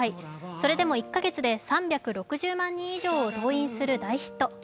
それでも１か月で３６０万人以上を動員する大ヒット。